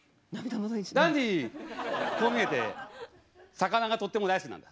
こう見えて魚がとっても大好きなんだ。